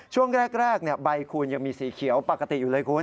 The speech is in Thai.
ช่วงแรกใบคูณยังมีสีเขียวปกติอยู่เลยคุณ